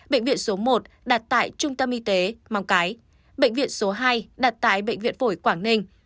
bệnh viện số một đặt tại trung tâm y tế mong cái bệnh viện số hai đặt tại bệnh viện phổi quảng ninh